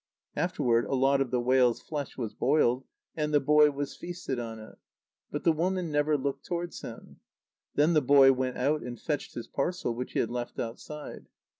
Afterwards a lot of the whale's flesh was boiled, and the boy was feasted on it. But the woman never looked towards him. Then the boy went out and fetched his parcel, which he had left outside.